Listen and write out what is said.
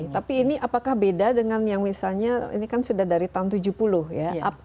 tapi ini apakah beda dengan yang misalnya ini kan sudah dari tahun tujuh puluh ya